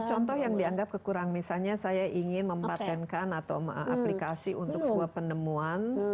contoh contoh yang dianggap kekurang misalnya saya ingin membatankan atau mengaplikasi untuk sebuah penemuan